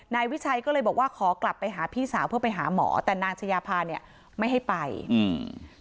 นายวิชัยก็เลยบอกว่าขอกลับไปหาพี่สาวเพื่อไปหาหมอแต่นางชายาพาเนี้ยไม่ให้ไปอืม